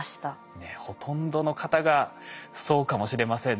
ねっほとんどの方がそうかもしれませんね。